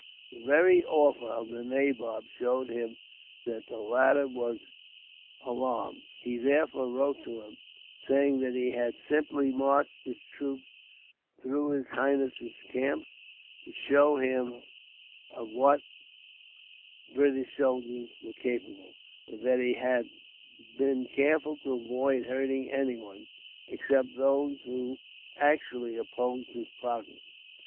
The very offer of the nabob showed him that the latter was alarmed. He therefore wrote to him, saying that he had simply marched his troops through his highness' camp to show him of what British soldiers were capable; but that he had been careful to avoid hurting anyone, except those who actually opposed his progress.